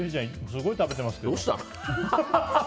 すごい食べてますけど。